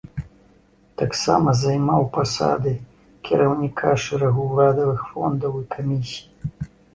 Таксама займаў пасады кіраўніка шэрагу ўрадавых фондаў і камісій.